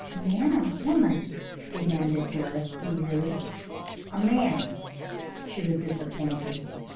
"Man or woman?" demanded Doris, eagerly. "A man." She was disappointed.